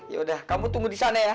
yaudah kamu tunggu disana ya